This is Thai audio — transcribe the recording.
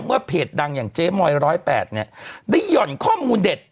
เพจดังอย่างเจ๊มอย๑๐๘เนี่ยได้หย่อนข้อมูลเด็ด